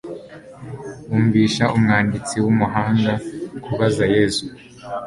Bumvisha umwanditsi w'umuhanga kubaza Yesu